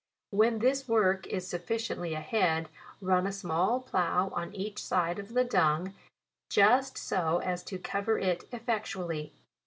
When this work is sufficiently ahead, run a small plough on each side of the dung, JULY. 159 just so as to cover it effectually.